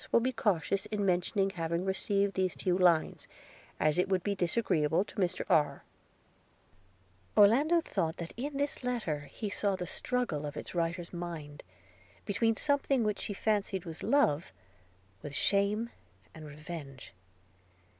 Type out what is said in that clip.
will be cautious in mentioning having received these few lines, as it would be disagreeable to Mr R –.' Orlando thought that in this letter he saw the struggle of its writer's mind, between something which she fancied was love, with shame and revenge.